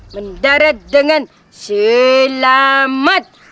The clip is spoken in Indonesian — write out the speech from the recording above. mendarat dengan selamat